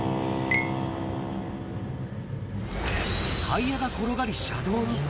タイヤが転がり車道に。